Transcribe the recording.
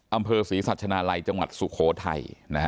อำเภอศรีสรรชนาลัยจังหวัดซุโคน์ไท